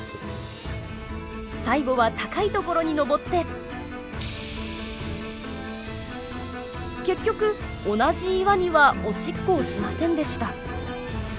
最後は高い所に上って結局同じ岩にはオシッコをしませんでした。